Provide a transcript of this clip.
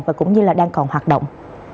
và cũng như đang còn hoạt động